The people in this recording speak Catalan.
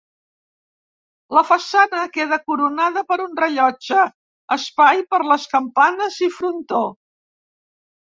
La façana queda coronada per un rellotge, espai per les campanes i frontó.